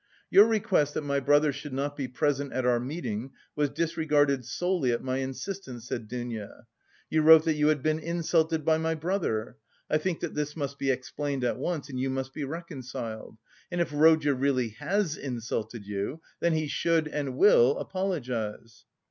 "Your request that my brother should not be present at our meeting was disregarded solely at my insistance," said Dounia. "You wrote that you had been insulted by my brother; I think that this must be explained at once, and you must be reconciled. And if Rodya really has insulted you, then he should and will apologise."